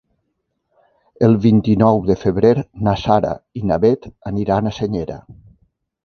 El vint-i-nou de febrer na Sara i na Bet aniran a Senyera.